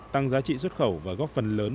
tăng giá trị xuất khẩu và góp phần lớn